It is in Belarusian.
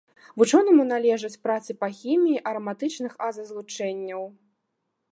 Вучонаму належаць працы па хіміі араматычных азазлучэнняў.